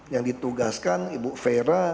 yang ditugaskan ibu fera